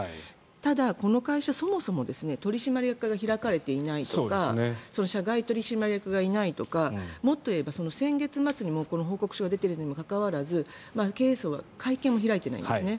ただ、この会社はそもそも取締役会が開かれていないとか社外取締役がいないとかもっと言えば先月末にも報告書が出ているにもかかわらず経営層は会見も開いていないんですね。